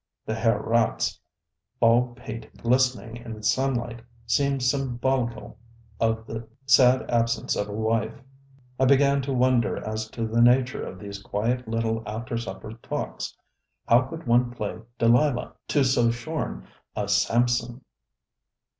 ŌĆØ The Herr RatŌĆÖs bald pate glistening in the sunlight seemed symbolical of the sad absence of a wife. I began to wonder as to the nature of these quiet little after supper talks. How could one play Delilah to so shorn a Samson?